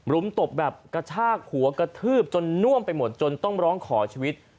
รุมตบแบบกระชากหัวกระทืบจนน่วมไปหมดจนต้องร้องขอชีวิต